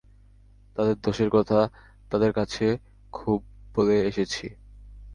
তাদের দোষের কথা তাদের কাছে খুব বলে এসেছি।